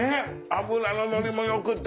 脂の乗りもよくて。